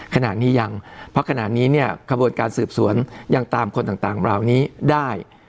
ขนาดนี้ยังเพราะขนาดนี้ขบวนการสืบสวนยังตามคนต่างราวนี้ได้